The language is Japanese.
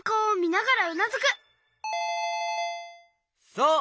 そう！